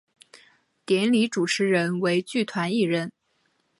典礼主持人为剧团一人。